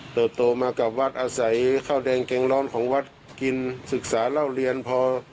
ตัวเติบตัวมากับวัญอาศัยข้าวแดงแกงล้อนของวัดกินศึกษาร่าวเรียนพอ